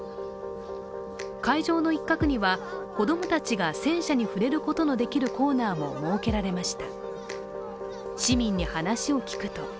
会場の一角には子供たちが戦車に触れることのできるコーナーも設けられました。